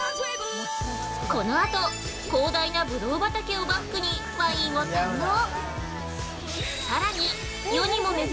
このあと、広大な葡萄畑をバックにワインを堪能！